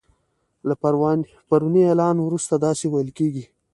له پروني اعلان وروسته داسی ویل کیږي